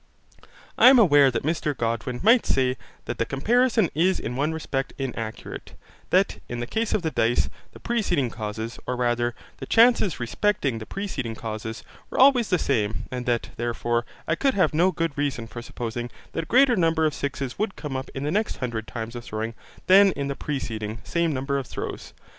I am aware that Mr Godwin might say that the comparison is in one respect inaccurate, that in the case of the dice, the preceding causes, or rather the chances respecting the preceding causes, were always the same, and that, therefore, I could have no good reason for supposing that a greater number of sixes would come up in the next hundred times of throwing than in the preceding same number of throws.